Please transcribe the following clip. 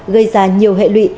gây ra nhiều hệ lụy